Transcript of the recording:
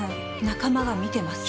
仲間が見てます